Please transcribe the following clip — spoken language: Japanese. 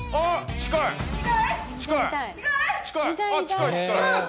近い⁉近い！